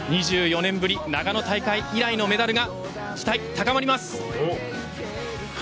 ２４年ぶり長野大会以来のメダルが期待、高まります。